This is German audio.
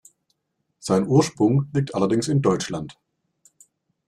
Sein Ursprung liegt allerdings in Deutschland.